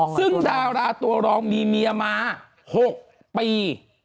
ซึ่งดาราตัวรองมีเมียมา๖ปี